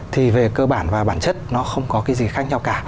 thì về cơ bản và bản chất nó không có cái gì khác nhau cả